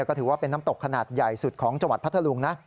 ก็ถือว่าเป็นน้ำตกขนาดใหญ่สุดของจังหวัดพัทธลุงนะ